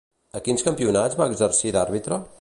A quins campionats va exercir d'àrbitre?